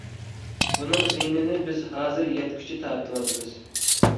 بۇنىڭ زىيىنىنى بىز ھازىر يەتكۈچە تارتىۋاتىمىز.